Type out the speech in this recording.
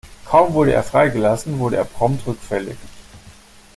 Kaum wurde er freigelassen, wurde er prompt rückfällig.